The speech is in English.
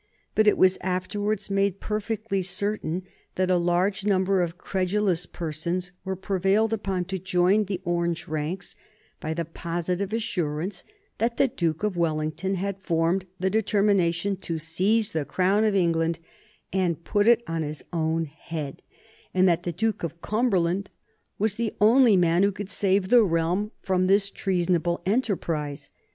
But it was afterwards made perfectly certain that a large number of credulous persons were prevailed upon to join the Orange ranks by the positive assurance that the Duke of Wellington had formed the determination to seize the crown of England and to put it on his own head, and that the Duke of Cumberland was the only man who could save the realm from this treasonable enterprise.